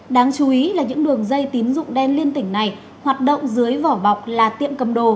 đáng chú ý là những đường dây tín dụng đen liên tỉnh này hoạt động dưới vỏ bọc là tiệm cầm đồ